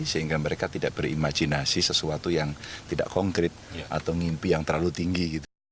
sehingga mereka tidak berimajinasi sesuatu yang tidak konkret atau mimpi yang terlalu tinggi